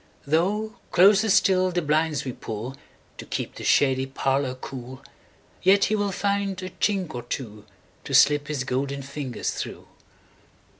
Though closer still the blinds we pullTo keep the shady parlour cool, Yet he will find a chink or twoTo slip his golden fingers through.